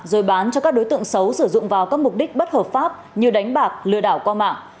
rồi bán cho các đối tượng xấu sử dụng vào các mục đích bất hợp pháp như đánh bạc lừa đảo qua mạng